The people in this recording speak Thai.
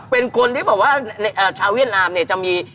เป็นคนที่บอกว่าชาวเวียดนามเนี่ยจะมี